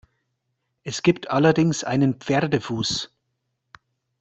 Es gibt allerdings einen Pferdefuß.